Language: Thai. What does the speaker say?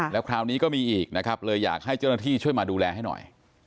แล้วคราวนี้ก็มีอีกนะครับเลยอยากให้เจ้าหน้าที่ช่วยมาดูแลให้หน่อย